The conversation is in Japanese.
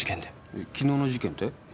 え昨日の事件て？